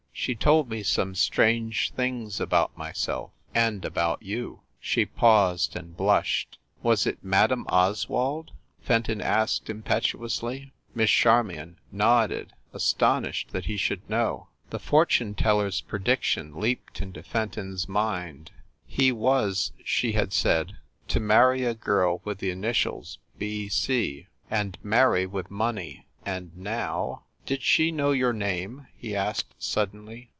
She told me some strange things about myself and about you She paused and blushed. "Was it Madame Oswald ?" Fenton asked impetu ously. Miss Charmion nodded, astonished that he should know. The fortune teller s prediction leaped into Fen ton s mind. He was, she had said, to marry a girl with the initials "B. C." and marry with money, and now "Did she know your name?" he asked suddenly.